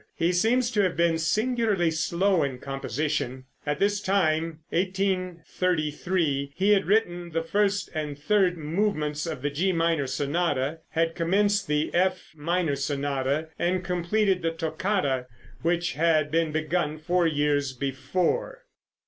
He seems to have been singularly slow in composition. At this time, 1833, he had written the first and third movements of the G minor sonata, had commenced the F minor sonata and completed the "Toccata," which had been begun four years before.